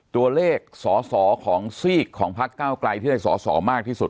ตัวเลขสอสอของซีกของพักเก้าไกลที่ได้สอสอมากที่สุด